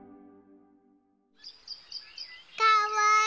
かわいい！